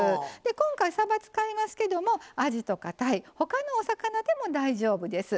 今回さば使いますけどもあじとかたいほかのお魚でも大丈夫です。